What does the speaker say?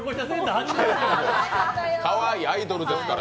かわいいアイドルですから。